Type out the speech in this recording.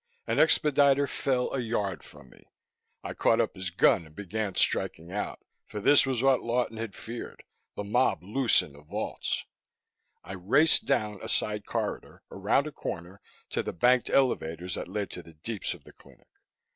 An expediter fell a yard from me. I caught up his gun and began striking out. For this was what Lawton had feared the mob loose in the vaults! I raced down a side corridor, around a corner, to the banked elevators that led to the deeps of the clinic.